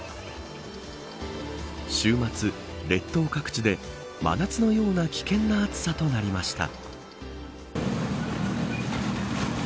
週末、列島各地で真夏のような危険な暑さとなりました。